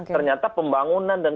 ternyata pembangunan dan